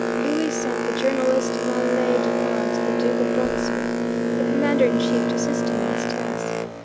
Louis sent the journalist Mallet du Pan to the Duke of Brunswick, the commander in chief, to assist him in his task.